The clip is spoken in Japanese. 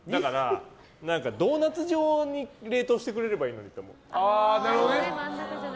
ドーナツ状に冷凍してくれればいいのにと思う。